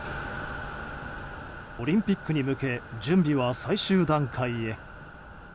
オリンピックに向け準備は最終段階へ。